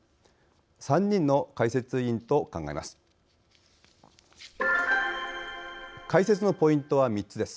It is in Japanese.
３人の解説委員と考えます。